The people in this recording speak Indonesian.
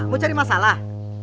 mau cari masalah